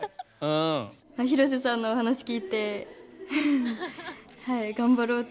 広瀬さんのお話聞いて頑張ろうって。